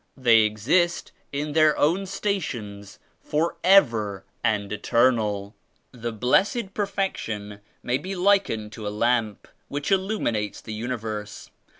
They exist in their own sta tions forever and eternal." "The Blessed Perfection may be likened to a Lamp which illuminates the Universe.